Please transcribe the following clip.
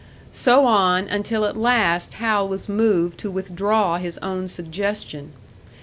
So on, until at last Hal was moved to withdraw his own suggestion.